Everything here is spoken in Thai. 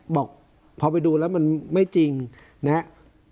บอกพอไปดูแล้วมันไม่จริงนะครับ